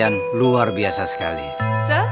ya kalau adanet baju